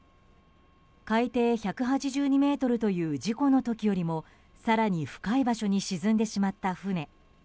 海底１８２ｍという事故の時よりも更に深い場所に沈んでしまった船。